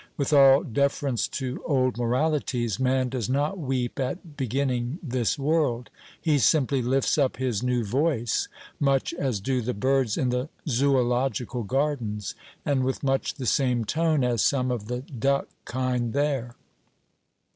With all deference to old moralities, man does not weep at beginning this world; he simply lifts up his new voice much as do the birds in the Zoological Gardens, and with much the same tone as some of the duck kind there.